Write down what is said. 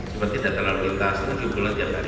seperti data lalu lintas kita kumpulkan setiap hari